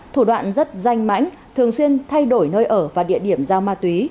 thủ đoạn rất danh mãnh thường xuyên thay đổi nơi ở và địa điểm giao ma túy